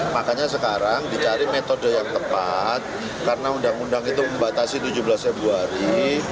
makanya sekarang dicari metode yang tepat karena undang undang itu membatasi tujuh belas februari